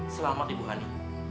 selamat ibu hanif